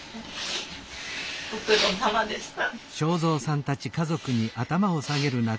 ご苦労さまでした。